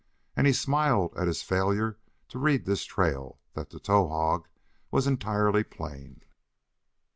And he smiled at his failure to read this trail that to Towahg was entirely plain.